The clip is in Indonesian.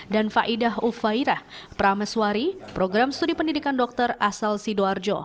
dan faidah ufairah prameswari program studi pendidikan dokter asal sidoarjo